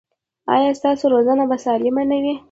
ایا ستاسو روزنه به سالمه نه وي؟